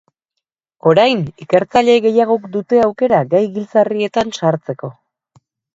Orain ikertzaile gehiagok dute aukera gai giltzarrietan sartzeko.